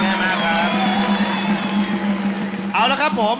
ขอบคุณแม่มากครับ